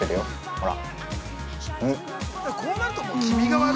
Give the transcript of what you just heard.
ほら。